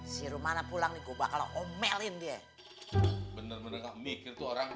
si romana pulang coba kalau omenin dia